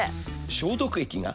消毒液が。